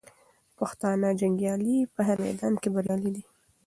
پښتانه جنګیالي په هر میدان کې بریالي دي.